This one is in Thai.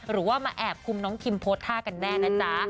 หรือว่ามาแอบคุมน้องคิมโพสต์ท่ากันแน่นะจ๊ะ